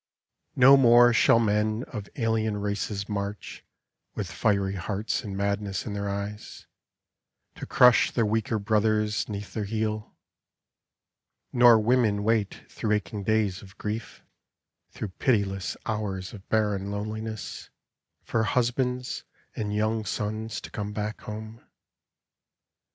No more shall men of alien races march With fiery hearts and madness in their eyes To crush their weaker brothers 'neath their heel; Nor women wait through aching days of grief, Through pitiless hours of barren loneliness For husbands and young sons to come back home.